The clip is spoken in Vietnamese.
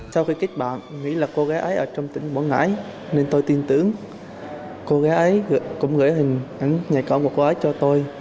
sau khi kết bạn nghĩ là cô gái ấy ở trong tỉnh quảng ngãi nên tôi tin tưởng cô gái ấy cũng gửi hình ảnh con của cô gái cho tôi